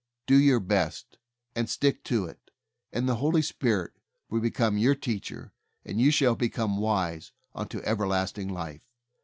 Do your best, and stick to it, and the Holy Spirit will become your teacher, and you shall become wise unto everlasting life.